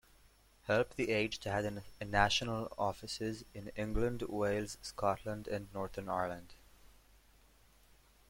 Help the Aged had national offices in England, Wales, Scotland and Northern Ireland.